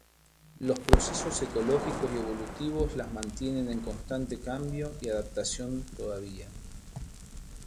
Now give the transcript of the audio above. Los procesos ecológicos y evolutivos las mantienen en constante cambio y adaptación todavía.